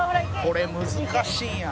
「これ難しいんや」